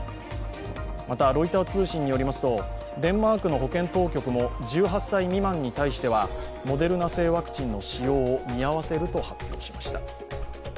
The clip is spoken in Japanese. またロイター通信によりますとデンマークの保健当局も１８歳未満に対してはモデルナ製ワクチンの使用を見合わせると発表しました。